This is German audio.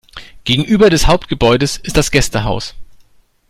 Gegenüber des Hauptgebäudes ist das Gästehaus.